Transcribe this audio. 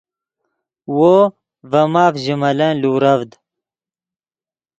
وو ڤے ماف ژے ملن لورڤد